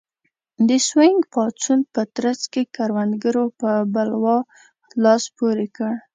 د سوینګ پاڅون په ترڅ کې کروندګرو په بلوا لاس پورې کړ.